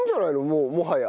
もうもはや。